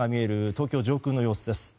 東京上空の様子です。